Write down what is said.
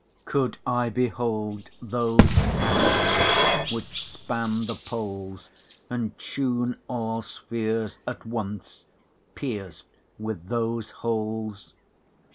20 Could I behold those hands which span the Poles, And turne all spheares at once, peirc'd with those holes?